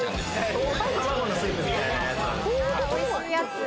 豆腐と卵のスープみたいなやつ。